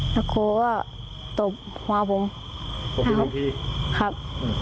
แล้วครูก็ตบหัวผมครับ